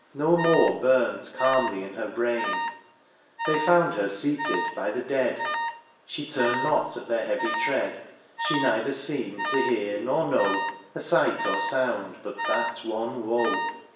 No more burnt calmly in her brain. They found her seated by the dead — She turned not at their heavy tread — She neither seemed to hear nor know A sight or sound but that one woe.